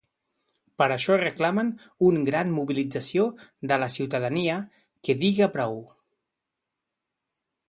Per això reclamen un gran mobilització de la ciutadania ‘que diga prou’.